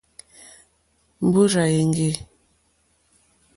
Mbúrzà èŋɡê.